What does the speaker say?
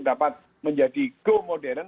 dapat menjadi go modern